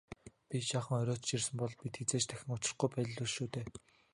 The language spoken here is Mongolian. Би жаахан оройтож ирсэн бол бид хэзээ ч дахин учрахгүй байлаа шүү дээ.